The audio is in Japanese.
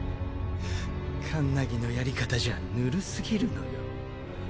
カンナギのやり方じゃぬるすぎるのよ。